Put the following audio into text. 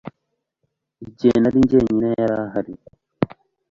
igihe nari njyenyine yari ahari